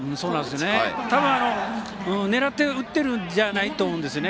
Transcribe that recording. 多分、狙って打ってるんじゃないと思うんですよね。